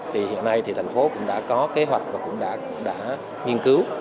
thì hiện nay thì thành phố cũng đã có kế hoạch và cũng đã nghiên cứu